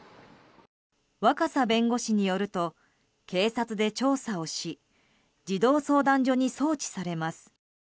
若狭弁護士によると警察で調査をし児童相談所に送致されます。